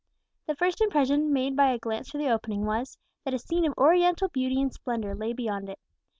The first impression made by a glance through the opening was, that a scene of Oriental beauty and splendour lay beyond it.